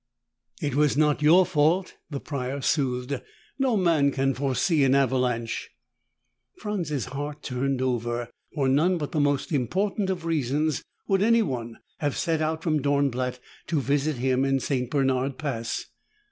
"It was not your fault," the Prior soothed. "No man can foresee an avalanche." Franz's heart turned over. For none but the most important of reasons would anyone have set out from Dornblatt to visit him in St. Bernard Pass.